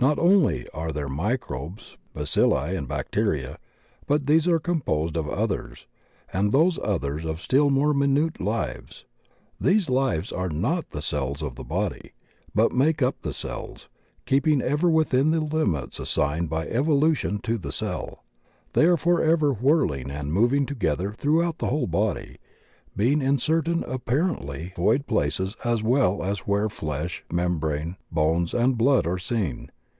Not only are there microbes, bacilli, and bacteria, but these are composed of others, and those others of still more minute lives. These lives are not the cells of the body, but make up the cells, keeping ever within the limits assigned by evolution to die cell. They are forever whirling and moving together tiu oughout the whole body, being in certain apparently void spaces as well as where flesh, membrane, bones, and blood are seen.